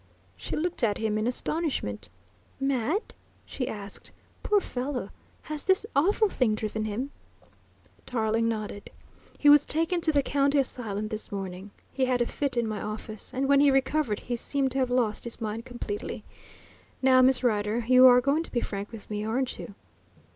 She looked at him in astonishment. "Mad?" she asked. "Poor fellow! Has this awful thing driven him ..." Tarling nodded. "He was taken to the County Asylum this morning. He had a fit in my office, and when he recovered he seemed to have lost his mind completely. Now, Miss Rider, you're going to be frank with me, aren't you?"